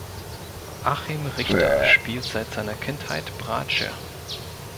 Achim Richter spielt seit seiner Kindheit Bratsche.